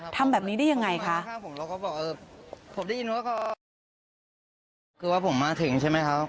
ทำแบบนี้ได้ยังไงคะ